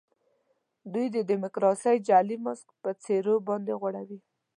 دوی د ډیموکراسۍ جعلي ماسک پر څېرو باندي غوړوي.